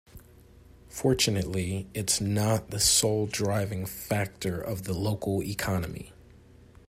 Fortunately its not the sole driving factor of the local economy.